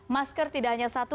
masker tidak hanya satu